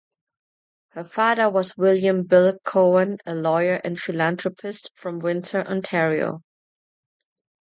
Her father was William "Bill" Cowan, a lawyer and philanthropist from Windsor, Ontario.